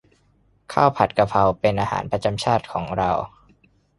ข้าวผัดกะเพรา เป็นอาหารประจำชาติของเรา